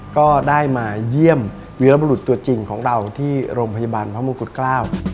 ก็ได้มาเยี่ยมวิรบรุษตัวจริงของเราที่โรงพยาบาลพระมงกุฎเกล้า